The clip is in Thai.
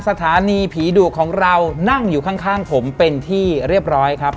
สถานีผีดุของเรานั่งอยู่ข้างผมเป็นที่เรียบร้อยครับ